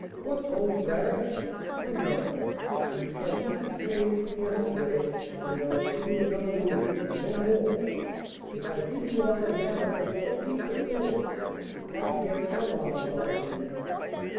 "What! those rags? Come, now, you shall keep the change from yesterday, and I'll give you another louis, and no more. If I give you all I have, I shall cheat the poor, who ought to get some alms out of me."